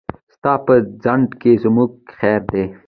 ستا په ځنډ کې زموږ خير دی.